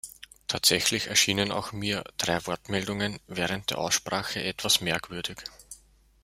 Tatsächlich erschienen auch mir drei Wortmeldungen während der Aussprache etwas merkwürdig.